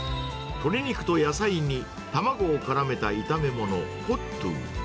鶏肉と野菜に、卵をからめた炒め物、コットゥ。